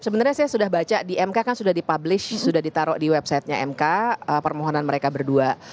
sebenarnya saya sudah baca di mk kan sudah dipublish sudah ditaruh di websitenya mk permohonan mereka berdua